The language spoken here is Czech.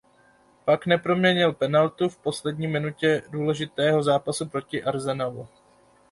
Pak neproměnil penaltu v poslední minutě důležitého zápasu proti Arsenalu.